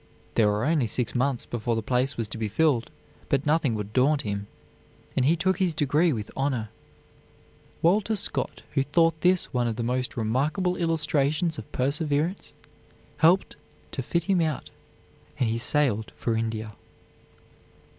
There were only six months before the place was to be filled, but nothing would daunt him, and he took his degree with honor. Walter Scott, who thought this one of the most remarkable illustrations of perseverance, helped to fit him out, and he sailed for India.